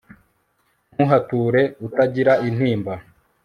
ntuhature utagira intimba